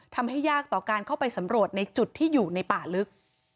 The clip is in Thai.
ยากต่อการเข้าไปสำรวจในจุดที่อยู่ในป่าลึก